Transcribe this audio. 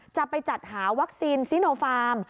จะไปจัดหาวัคซีนซิโนฟาร์ม